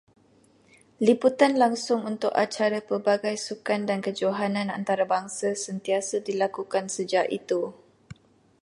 Liputan langsung untuk acara pelbagai sukan dan kejohanan antarabangsa sentiasa dilakukan sejak itu.